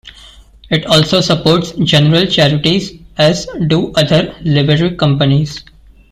It also supports general charities, as do other Livery Companies.